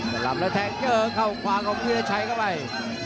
กระลับแล้วแท็กเยอะเข้าขวางของวิลาชัยเข้าไป